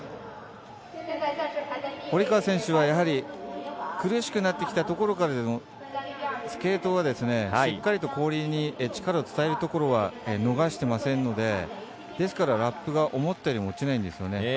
堀川選手はやはり苦しくなったところでもスケートが、しっかりと氷に力を伝えるところは逃してませんのでラップ思ったよりも落ちないんですよね。